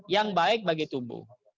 yang baik bagi tubuh